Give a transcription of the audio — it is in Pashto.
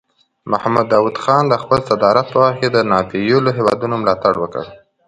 محمد داود خان د خپل صدارت په وخت کې د ناپېیلو هیوادونو ملاتړ وکړ.